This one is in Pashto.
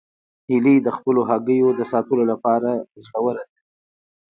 هیلۍ د خپلو هګیو د ساتلو لپاره زړوره ده